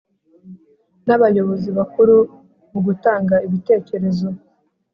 n Abayobozi bakuru mu gutanga ibitekerezo